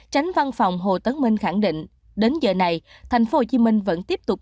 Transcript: tránh văn phòng hồ tấn minh khẳng định đến giờ này thành phố hồ chí minh vẫn tiếp tục